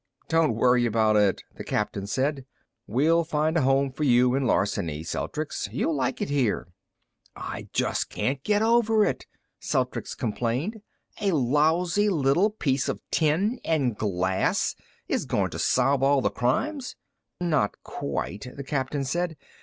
"Don't worry about it," the captain said. "We'll find a home for you in Larceny, Celtrics. You'll like it here." "I just can't get over it," Celtrics complained. "A lousy little piece of tin and glass is going to solve all the crimes." "Not quite," the captain said.